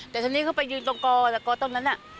แต่ทีนี้เขาไปยืนตรงกอแต่กอตรงนั้นน่ะ